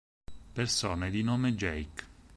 Persone di nome Jake